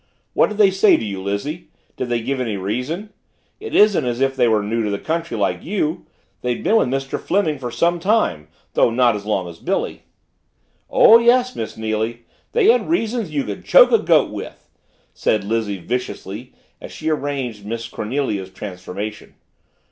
"What did they say to you, Lizzie did they give any reason? It isn't as if they were new to the country like you. They'd been with Mr. Fleming for some time, though not as long as Billy." "Oh, yes, Miss Neily they had reasons you could choke a goat with," said Lizzie viciously as she arranged Miss Cornelia's transformation.